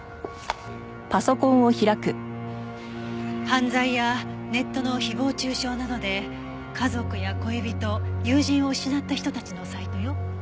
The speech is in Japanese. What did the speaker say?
犯罪やネットの誹謗中傷などで家族や恋人友人を失った人たちのサイトよ。